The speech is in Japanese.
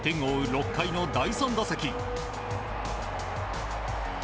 ６回の第３打席。